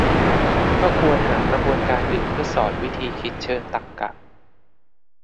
ก็ควรหากระบวนการอื่นเพื่อสอนวิธีคิดเชิงตรรกะ